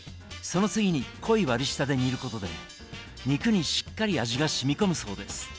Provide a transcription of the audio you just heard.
その次に濃い割り下で煮ることで肉にしっかり味がしみこむそうです。